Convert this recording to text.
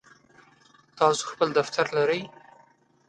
تاسی خپل دفتر لرئ؟